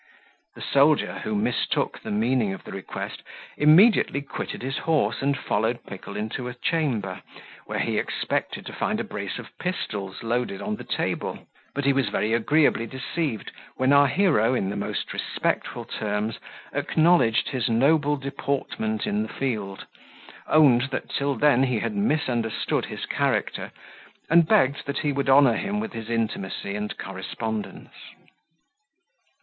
The soldier, who mistook the meaning of the request, immediately quitted his horse, and followed Pickle into a chamber, where he expected to find a brace of pistols loaded on the table: but he was very agreeably deceived, when our hero, in the most respectful terms, acknowledged his noble deportment in the field, owned that till then he had misunderstood his character, and begged that he would honour him with his intimacy and correspondence.